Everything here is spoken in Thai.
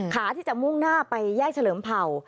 ขาที่จะมุ่งหน้าไปแยกเฉลิมเผ่า